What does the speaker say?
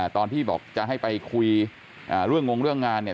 ตอนที่บอกจะให้ไปคุยเรื่องงงเรื่องงานเนี่ย